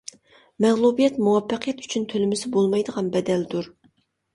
مەغلۇبىيەت مۇۋەپپەقىيەت ئۈچۈن تۆلىمىسە بولمايدىغان بەدەلدۇر.